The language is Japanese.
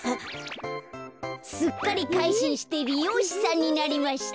すっかりかいしんしてりようしさんになりました。